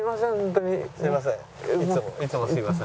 いつもすいません。